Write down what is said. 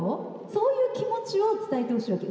そういう気持ちを伝えてほしいわけ。